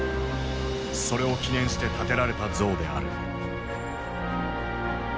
それを記念して建てられた像である。